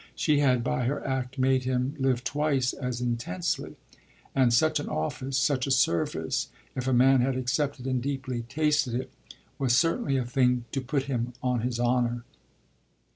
She had by her act made him live twice as intensely, and such an office, such a service, if a man had accepted and deeply tasted it, was certainly a thing to put him on his honour.